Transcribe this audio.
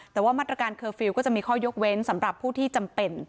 แต่ว่ามาตรการเคอร์ฟิลล์ก็จะมีข้อยกเว้นสำหรับผู้ที่จำเป็น